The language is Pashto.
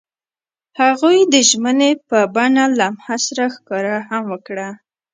هغوی د ژمنې په بڼه لمحه سره ښکاره هم کړه.